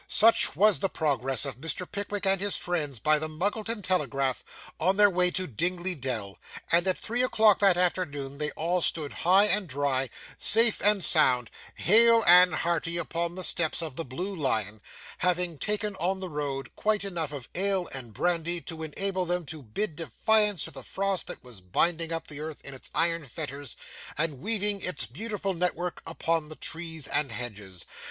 Such was the progress of Mr. Pickwick and his friends by the Muggleton Telegraph, on their way to Dingley Dell; and at three o'clock that afternoon they all stood high and dry, safe and sound, hale and hearty, upon the steps of the Blue Lion, having taken on the road quite enough of ale and brandy, to enable them to bid defiance to the frost that was binding up the earth in its iron fetters, and weaving its beautiful network upon the trees and hedges.